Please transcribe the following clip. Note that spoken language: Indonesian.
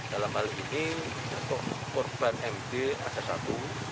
dalam hal ini untuk korban md ada satu